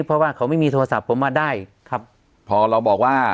เพราะว่าเขาไม่มีโทรศัพท์ผมมาได้ครับพอเราบอกว่า